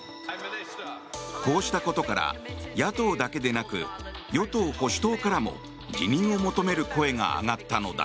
こうしたことから野党だけでなく与党・保守党からも辞任を求める声が上がったのだ。